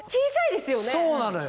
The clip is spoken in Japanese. そうなのよ。